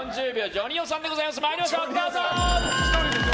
ジョニ男さんでございますどうぞ！